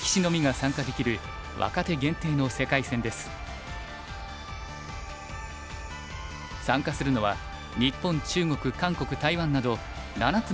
参加するのは日本中国韓国台湾など７つの国と地域の代表１６人。